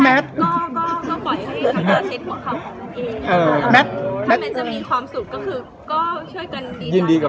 แมทก็จะมีความสุขช่วยกันดีกัน